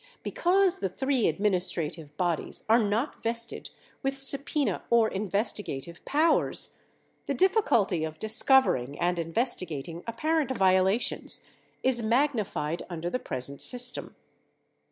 Because the three administrative bodies are not vested with 565 subpena or investigative powers, the difficulty of discovering and in vestigating apparent violations is magnified under the present system.